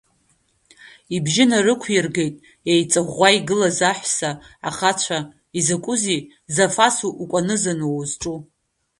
Ибжьы нарықәиргеит еиҵаӷәӷәа игылаз аҳәса, ахацәа, изакәызеи, Зафас, укәанызануа узҿу?